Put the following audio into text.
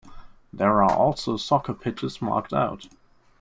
There are also soccer pitches marked out.